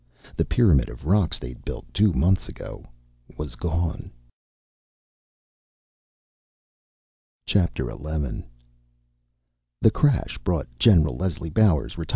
The pyramid of rocks they'd built two months ago was gone! XI The crash brought Gen. Leslie Bowers (ret.)